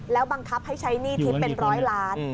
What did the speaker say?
แล้วบังคับให้ใช้หนี้ทิพย์เป็นร้อยล้าน